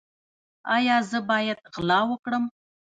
ایا زه باید غلا وکړم؟